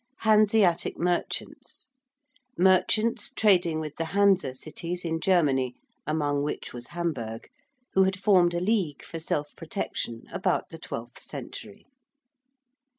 ~Hanseatic merchants~: merchants trading with the Hanse cities in Germany (among which was Hamburg) who had formed a league for self protection about the twelfth century.